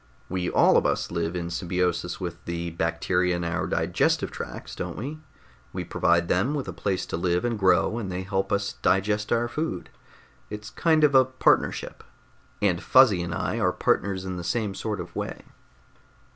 We all of us live in symbiosis with the bacteria in our digestive tracts, don't we? We provide them with a place to live and grow, and they help us digest our food. It's a kind of a partnership and Fuzzy and I are partners in the same sort of way."